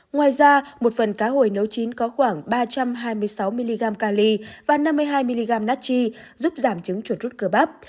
ngoài ra một phần cá hồi nấu chín có khoảng ba trăm hai mươi sáu mg cali và năm mươi hai mg nát chi giúp giảm chứng chuột rút cơ bắp